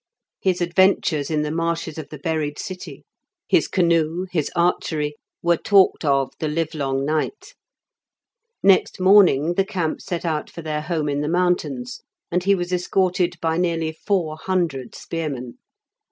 His adventures in the marshes of the buried city, his canoe, his archery, were talked of the livelong night. Next morning the camp set out for their home in the mountains, and he was escorted by nearly four hundred spearmen.